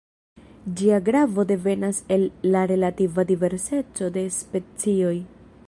Ĝia gravo devenas el la relativa diverseco de specioj.